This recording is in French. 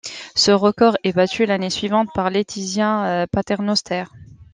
Ce record est battu l'année suivante par Letizia Paternoster.